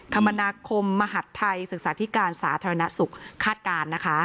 คมนาคมมหัฐไทยศึกษาธิการสาธารณสุขคาดการณ์นะคะ